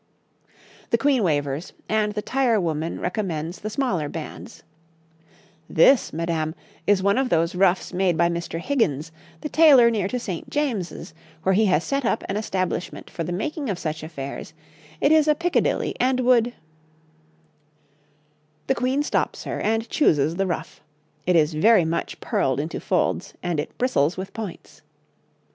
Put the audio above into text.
The Queen wavers, and the tire woman recommends the smaller bands: 'This, madame, is one of those ruffs made by Mr. Higgins, the tailor near to St. James's, where he has set up an establishment for the making of such affairs it is a picadillie, and would ' The Queen stops her and chooses the ruff; it is very much purled into folds, and it bristles with points.